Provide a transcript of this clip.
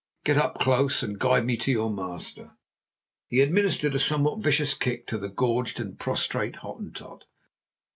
Get up, Klaus, and guide me to your master," and he administered a somewhat vicious kick to the gorged and prostrate Hottentot.